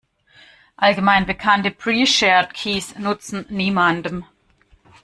Allgemein bekannte Pre-shared keys nutzen niemandem.